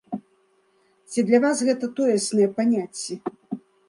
Ці для вас гэта тоесныя паняцці?